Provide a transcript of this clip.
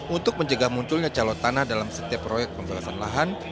untuk mencegah munculnya calon tanah dalam setiap proyek pembebasan lahan